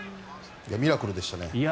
ミラクルでしたね。